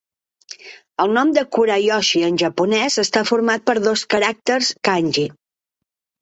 El nom de Kurayoshi en japonès està format per dos caràcters kanji.